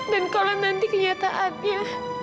dan kalau nanti kenyataannya